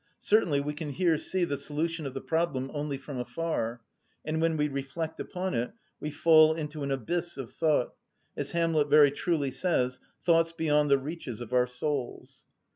Certainly we can here see the solution of the problem only from afar, and when we reflect upon it we fall into an abyss of thought—as Hamlet very truly says, "thoughts beyond the reaches of our souls."